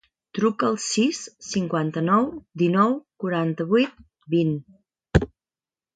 Truca al sis, cinquanta-nou, dinou, quaranta-vuit, vint.